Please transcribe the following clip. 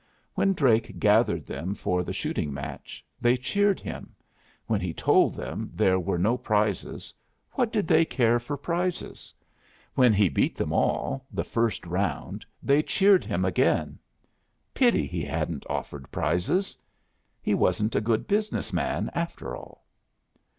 When Drake gathered them for the shooting match, they cheered him; when he told them there were no prizes, what did they care for prizes? When he beat them all the first round, they cheered him again. Pity he hadn't offered prizes! He wasn't a good business man, after all!